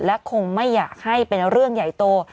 และคงไม่อยากให้เป็นเรื่องใหญ่โต